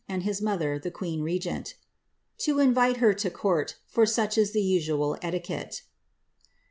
and his mother, tl queen regent) to invite her to court, for such is the usual etiquette."